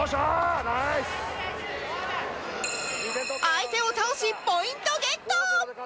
相手を倒しポイントゲット！